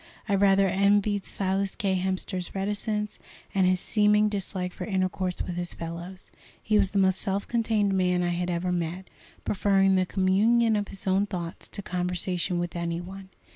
I rather envied Silas K. Hemster's reticence, and his seeming dislike for intercourse with his fellows. He was the most self contained man I had ever met, preferring the communion of his own thoughts to conversation with any one.